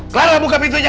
clara buka pintunya